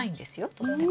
とっても。